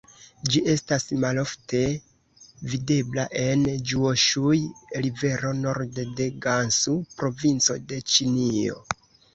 Ĝi estas malofte videbla en Ĵŭoŝuj-rivero norde de Gansu-provinco de Ĉinio.